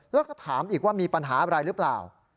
แล้วก็ถามอีกว่ามีปัญหาอะไรหรือเปล่า